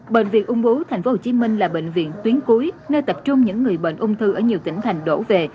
bệnh viện ung bú tp hcm là bệnh viện tuyến cuối nơi tập trung những người bệnh ung thư ở nhiều tỉnh thành đổ về